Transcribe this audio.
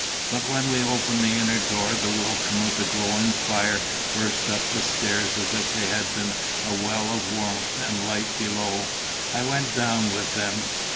But when we opened the inner door the welcome of a glowing fire burst up the stair as if that had been a well of warmth and light below. I went down with them.